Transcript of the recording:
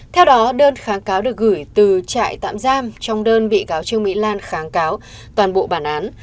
theo đó đơn kháng cáo được gửi từ trại tạm giam trong đơn bị cáo trương mỹ lan kháng cáo toàn bộ bản án